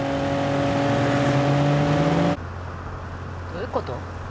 どういうこと？